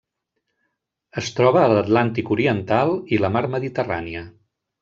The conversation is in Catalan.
Es troba a l'Atlàntic oriental i la mar Mediterrània.